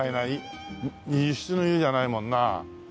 輸出の「輸」じゃないもんな。